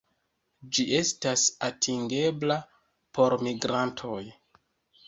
Ĝi estas atingebla por migrantoj.